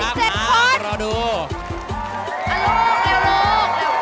เอาละกล้าอยู่แล้ว